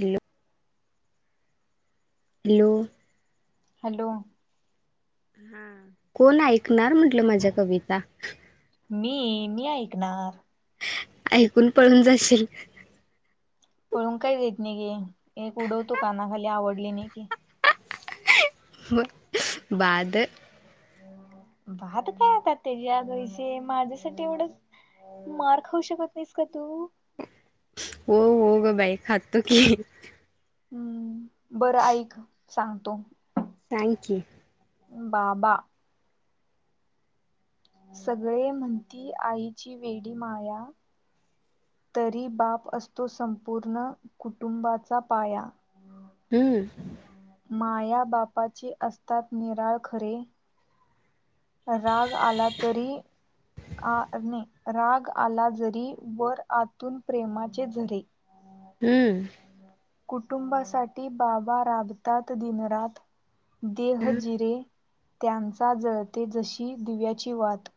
Hello hello hello हा कोण ऐकणार म्हंटलं माझ्या कविता मी मी ऐकणार ऐकुन पळून जाशील पळून काय जइत नइ गे एक उडवतो काना खाली आवडली नइ की बर बाद बाद काय आता तेज्यात वैषे माझ्यासाटी एवड मार खाउ शकत नइस का तू हो हो ग बाई खातो की हम्म बरं ऐक सांगतो थँक्यू बाबा सगळे म्हणती आईची वेडी माया तरी बाप असतो संपूर्ण कुटुंबाचा पाया हम्म माया बापाची असतात निराळ खरे राग आला तरी आ नइ राग आला जरी वर आतून प्रेमाचे झरे हम्म कुटुंबासाठी बाबा राबतात दिनरात देह जिरे त्यांचा जळते जशी दिव्याची वात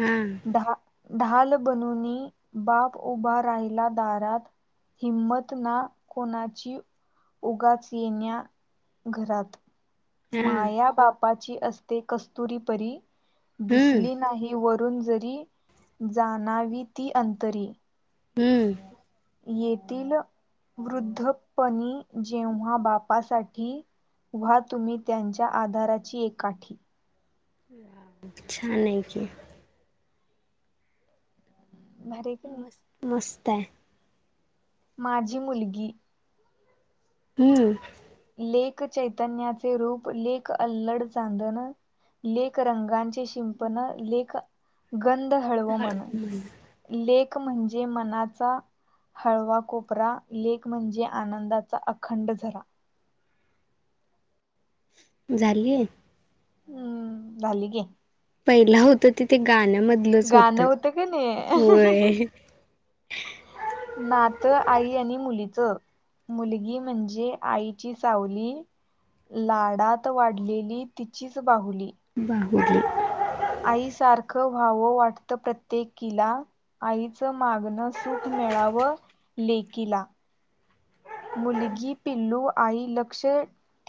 हा ढा ढाल बनुनी बाप उभा राहिला दारात हिंमत ना. कोणाची उगाच येण्या घरात माया बापाची असते कस्तुरी परी हम्म दिसली नाही व. न जरी जाणावी ती अंतरी हम्म. येतील वृद्धपणी जेव्हा बापासाठी व्हा तुम्ही त्यांच्या आधाराची एकाठी छानाय की भारी आहे की नाही. मस मस्ताय. माजी मुलगी- हम्म. लेक चैतन्याचे रूप लेक अल्लड चांदन. लेक रंगांचे शिंपण लेक गंध हळव मन लेक म्हणजे मनाचा हळवा कोपरा लेक म्हणजे आनंदाचा अखंड झरा. झाली. हम्म झाली की पइला होत त ते गाण्यामदलंच होत गाणं होतं वय. नात आई आणि मुली च मुलगी म्हणजे आईची सावली. लाडात वाडलेली तिचीच बाहुली बाहुली आई सारखं व्हावं वाटत प्रत्येकीला आईचं मागण सुख मिळावं लेकीला मुलगी पिल्लू आई लक्ष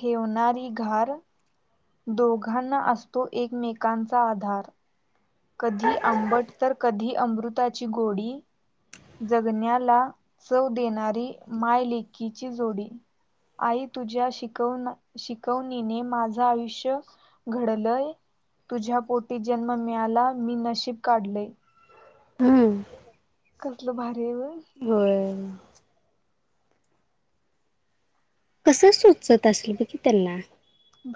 ठेवणारी घार. दोघांना असतो एकमेकांचा आधार. कधी आंबट तर कधी अमृताची गोडी जगण्याला चव देणारी मायलेकीची जोडी. आई तुझ्या शिकव शिकवणीने माझं आयुष्य घडलंय. तुझ्या पोटी जन्म मिळाला मी नशीब काढलंय. हम्म. कसलं भारी वो. होय. कसं सुचत असलं बघ की त्यांना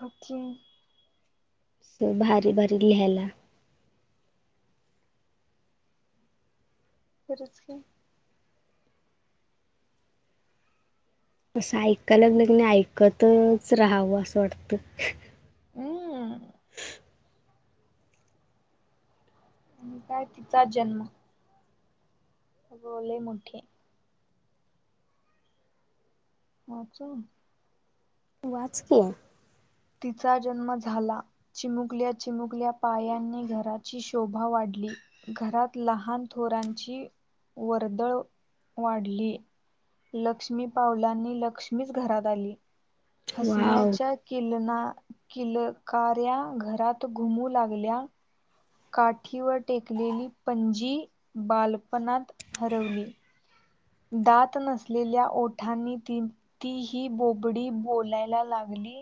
ओके. अस भारी भारी लिहायला. खरच की असं ऐकाय लागलं की नाही ऐकतच राहावं असं वाटतं. हम्म आणि काय तिचा जन्म. अगं लई मोठी आहे. वाचू? वाच की तिचा जन्म झाला चिमुकल्या चिमुकल्या पायांनी घराची शोभा वाढ ली घरात लहान थोरांची वर्दळ. वाढली लक्ष्मी पावलांनी लक्ष्मीच घरात आली. वाव हसण्याच्या किलकार्या घरात घुमू लागल्या का ठीवर टेकलेली पणजी बालपणात हरवली. दात नसलेल्या ओठांनी ती ती ही बोबडी बोलायला लागली.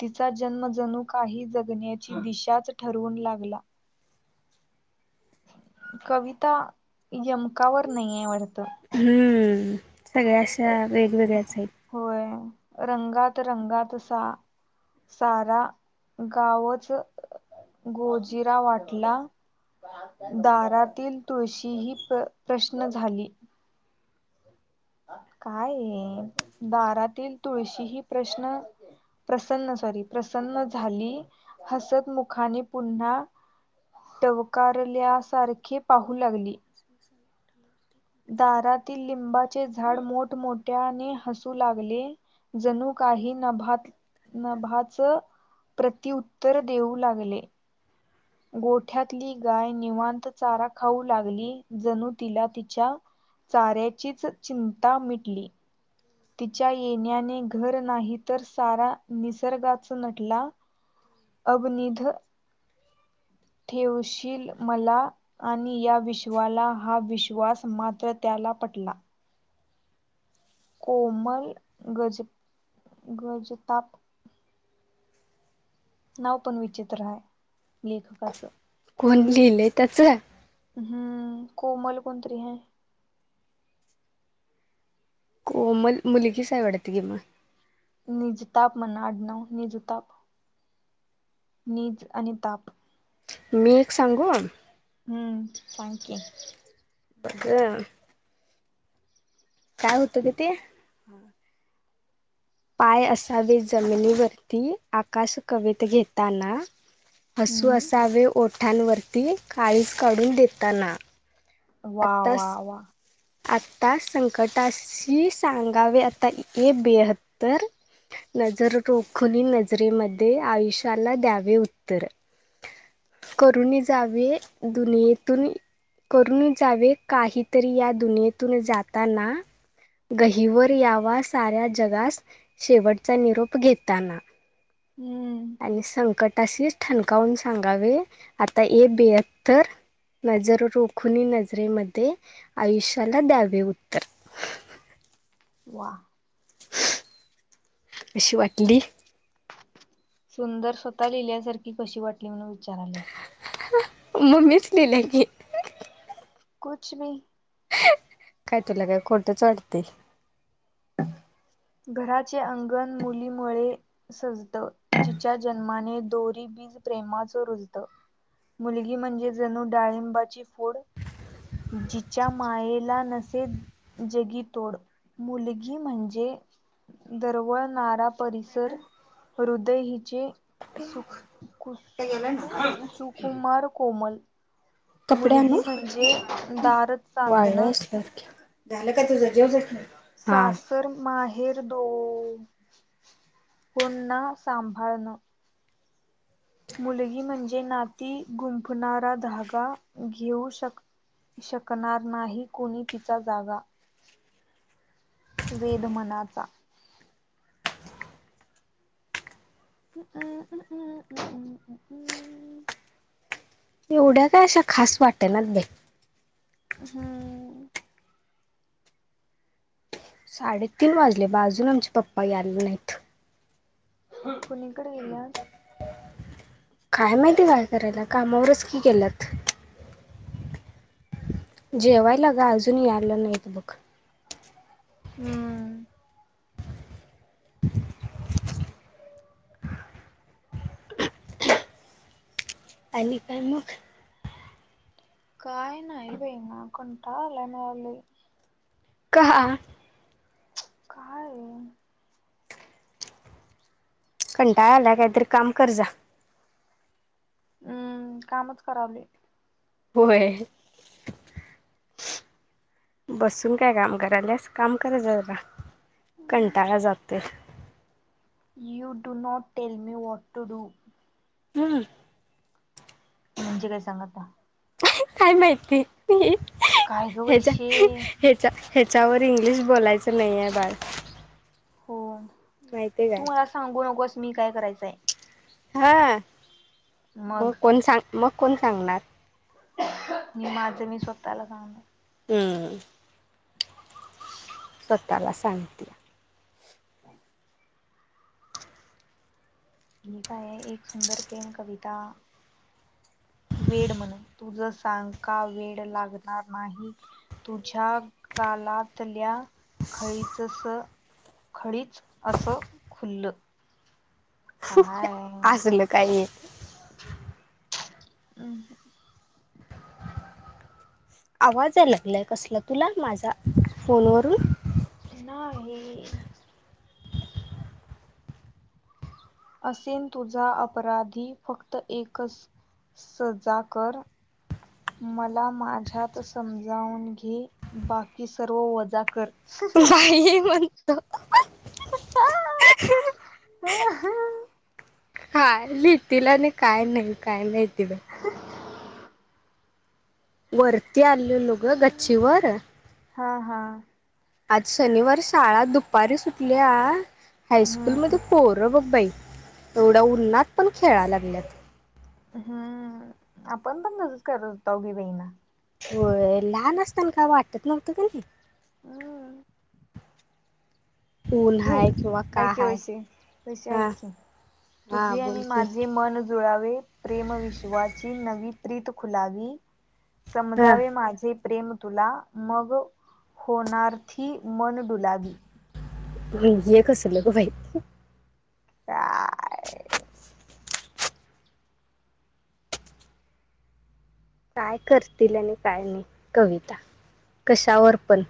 तिचा जन्म जणू काही जगण्याची दिशाच ठरवून लागला. कविता यमकावर नाहीे वाटत. हम्म सगळ्या अशा वेगवेगळ्याच आहेत. होय. रंगात रंगात सा सारा गावच गोजिरा वाटला. दारातील तुळशी ही प्रश्न झाली. काय हे दारातील तुळशी हि प्रश्न प्रसन्न सॉरी प्रसन्न झाली हसत मुखाने पुन्हा टवकारल्यासारखी पाहू लागली. दारातील लिंबाचे झाड मोठमोठ्याने हसू लागले. जणू काही नभात नभाच प्रतिउत्तर देऊ लागले. गोठ्यातली गाय निवांत चारा खाऊ लागली जणू तिला तिच्या चाऱ्याचीच चिंता मिटली. तिच्या येण्याने घर नाही तर सारा निसर्गाच नटला. अभ्निध ठेवशील मला आणि या विश्वाला हा विश्वास मात्र त्या मला पटला कोमल गज गजताप. नाव पण विचित्र हाय लेखकाचं. कोण लिहिलंय त्याचं? हम्म कोमल कोणतरी हाय. कोमल मुलीगीच हाय वाटत की मग. निजताप म्हण अडनाड निजताप निज आणि ताप. मी एक सांगू हम्म ांग ये बघ काय होतो कती पाय असावे जमिनीवरती आकाश कवित घेताना हसू हम्म असावे ओठांवरती काळीज काढून देताना वा वा आत्ताच वा आता संकटाशी सांगावे आता ए बेहत्तर नजररोोखली नजरेमध्ये आयुष्याला द्यावे उत्तर [inaudible] करून जावे दुनियेतून करून जावे काहीतरी या दुूनेतून जाताना गहीवर यावा साऱ्या जगास शेवटचा निरोप घेताना हम्म आणि संकट तसेच ठणकावून सांगावे आता एक बेहत्तर नजर रोखून नजरेमध्ये आयुष्याला द्यावे उत्तर वा अशी वाटली सुंदर स्वतः लिहिल्यासारखी कशी वाटली म्हणून विचार आले अस म मस्री ला कच मी कायटला काय कोतच वाडते घराचे अंगण मुलीमुळे सजत जिच्या जन्माने दोरी प्रेमाच रुत मुलगी म्हणजे जणू डाळिंबाची फूड जिच्या मायेला नसे जगी तोड मुलगी म्हणजे दरवळ नारा परिसर हृदय हिचे सुख खु कुसुकुमार कोमल कपड्या मुलगी म्हणजे ना दार वाढलं चांदणं अस झालं का तुझं ज ज सासर माहे हेर दो पुन्हा सांभाळणं मुलगी म्हणजे नाती गुंफणारा धागा घेऊ शक शकणार नाही कोणी तिचा जागा वेद मनाचा हममंमममममम एवढ्या काय अशा खास वाटे ना दे हम्म साडेतीीन वाजले बा अजून आमचे पप्पा याला नाहीत कुणीकडे येयात काय माहितीय काय करायला कामावरच की केलंत जेवायला ग अजून यालं नाहीत बघ हम्म अली काायमुख काय नाही आहेवेई ना कोणटा मराली काहा काय कंटाळ आला काहीतरी काम कर जा हम्म कामच करावले होय बसून काय काम कराल्यास काम करायचरा कंटाळा जाते you do not tell me what to do हम् म्हणजे काय सांगा आ काय माहिती काय ग ह्याच्या वैशे ह्याचा ह्याच्यावर इंग्लिश बोलायचं नाही आहे बाळ हो माहितीय काय तू मला सांगू नकोस मी काय करायचंय हा मग कोण सांग मग कोण सांगणार माझं मी स्वतःला सांगन हम स्वाताला सांगिती हे काय आहे एक सुंदर प्रेम कविता [inaudible] वेड म्हण तुझ सांग का वेड लागणार नाही तुझ्या गालातल्या खळीच खळीच असं खुल्लं काय असलं काही हम् आवाज याय लागलाय कसला तुला माझा फोनवरून नाही हे असेन तुझा अपराधी फक्त एकच सजा कर मला माझ्यात समजावून घे बाकी सर्व वजा कर बाई ये म्हणतो [inaudible] हा लि तिल आणि काय नाही, काय नाही. [unintelligible] वरती आलैलो ग गच्चीवर हा हा आज शनिवार शाळा दुपारी सुटल्या, हायस्कूलमध्ये हम्म पोरं बग बाई एवढ्या उन्नाात पण खेळा लागल्यात. हम्म! आपण पण तसंच करत हुतो की बइना होय. लहान असताना काय वाटत नव्हतं कने हम्म. ऊन हे हाय किंवा का ऐक हाय वशे, वशे ऐक हा की हा तुझे आणि बोल की माझे मन जुळावे प्रेम विश्वाची नवी प्रीत खुलावी हा समजावे माझे प्रेम तुला मग होणारथी मनडुलावी हे कसलं गं बाई काय? काय करतील आणि काय नाही कविता. कशावर पण.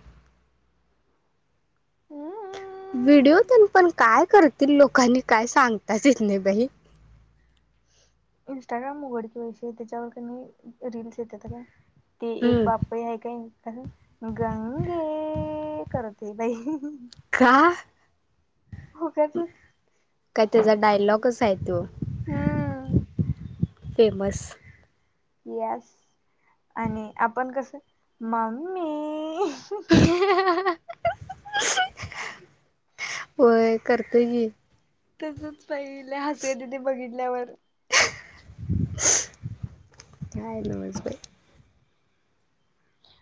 व्हिडिओ तेन पण काय करतील लोकांनी काय सांगताच येत नाही बाई. [unintelligible] इंस्टाग्राम उघड की वैसे त्याच्यावर कने रील्स येत्यात काय ते एक हम्म, बापय हाय काय अ गंगे करतय बाई! उगाचच का त्यजा डायलॉगज हाय त्यो हम्म फेमस. येस आणि आपण कसं मम्मी [unintelligible] होय करतोय की. तुजच पहिल्या हसू येतंय ते बघितल्यावर. काय नव्हच बाई.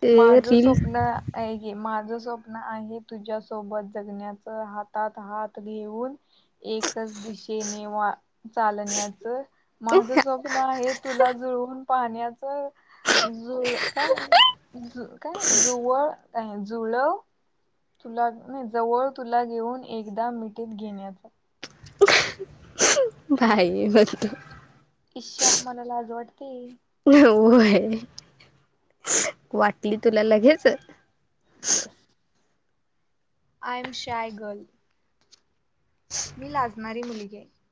ते माझ रील स्वप्न आहे की माझं स्वप्न आहे तुझ्यासोबत जगण्याच हातात हात घेऊन एकच शेने वा चालण्याचं माझ स्वप्न आहे तुला जुळवून पाण्याच जु काय काय जुवळ काय जुळव तुला नाही जवळ तुला घेऊन एकदा मिठीत घेण्याचा बाई म्हणतो. इ्शा मला लाज वाटते. व्हय. वाटली तुला लगेच. अँम शाय गल. मी लाजणारी मुलगी हाय.